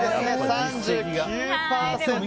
３９％！